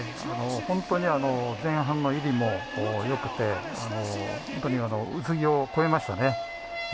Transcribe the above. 本当に前半の入りもよくて本当に宇津木を超えましたね。